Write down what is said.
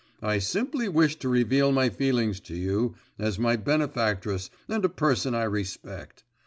'I simply wished to reveal my feelings to you as my benefactress and a person I respect.